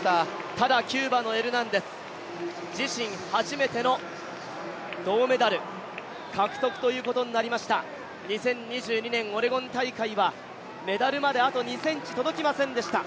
ただキューバのエルナンデス自身初めての銅メダル獲得ということになりました、２０２２年オレゴン大会はメダルまであと２ｃｍ届きませんでした。